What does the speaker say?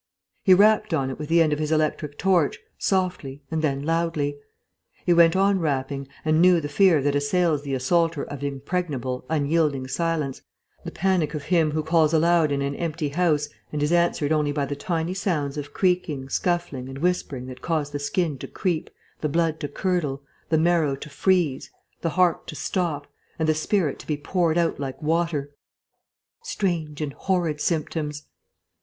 He rapped on it with the end of his electric torch, softly and then loudly. He went on rapping, and knew the fear that assails the assaulter of impregnable, unyielding silence, the panic of him who calls aloud in an empty house and is answered only by the tiny sounds of creaking, scuffling, and whispering that cause the skin to creep, the blood to curdle, the marrow to freeze, the heart to stop, and the spirit to be poured out like water. Strange and horrid symptoms!